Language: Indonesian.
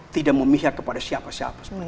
tidak memihak kepada siapa siapa sebenarnya